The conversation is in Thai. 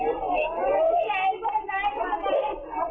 ตอนหน้า